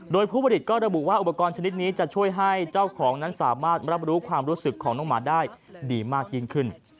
โดยผู้ผลิตก็ระบุว่าอุปกรณ์ชนิดนี้จะช่วยให้เจ้าของนั้นสามารถรับรู้ความรู้สึกของน้องหมาได้ดีมากยิ่งขึ้น